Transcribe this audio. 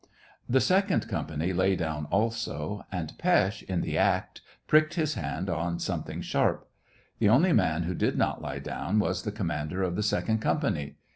The second company lay down also, and Pesth, in the act, pricked bis band on something sharp. The only man who did not lie down was the com mander of the second company.